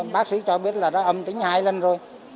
bác sĩ cho biết là đã âm tính hai lần rồi